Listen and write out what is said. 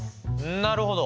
なるほど！